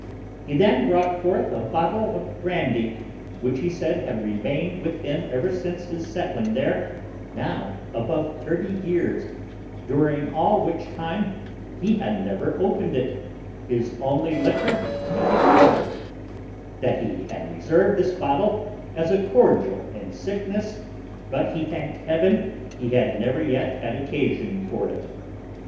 He then brought forth a bottle of brandy, which he said had remained with him ever since his settling there, now above thirty years, during all which time he had never opened it, his only liquor being water; that he had reserved this bottle as a cordial in sickness; but, he thanked heaven, he had never yet had occasion for it.